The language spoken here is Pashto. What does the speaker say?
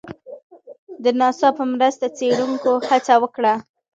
د ناسا په مرسته څېړنکو هڅه وکړه